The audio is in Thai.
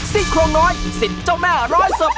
สิ้นโครงน้อยสิ้นเจ้าแม่ร้อยศพ